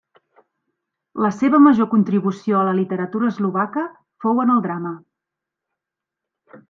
La seva major contribució a la literatura eslovaca fou en el drama.